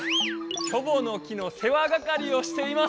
キョボの木のせ話がかりをしています。